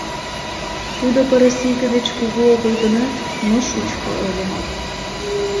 Тудо пырыс иге деч кугу огыл гынат, но шучко ыле.